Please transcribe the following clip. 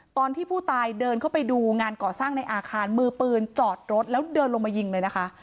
ตอนที่ผู้ตายเดินเข้าไปดูงานก่อสร้างในอาคารมือปืนจอดรถแล้วเดินลงมายิงเลยนะคะ